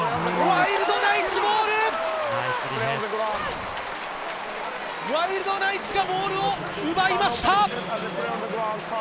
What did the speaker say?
ワイルドナイツがボールを奪いました！